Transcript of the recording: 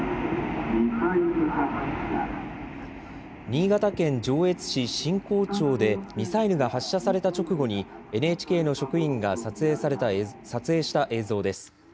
新潟県上越市新光町でミサイルが発射された直後にＮＨＫの職員が撮影した映像です。